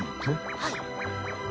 はい。